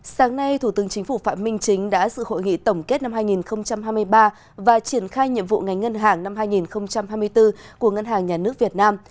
sáng nay thủ tướng chính phủ phạm minh chính đã dự hội nghị tổng kết năm hai nghìn hai mươi ba và triển khai nhiệm vụ ngành ngân hàng năm hai nghìn hai mươi bốn của ngân hàng nhà nước việt nam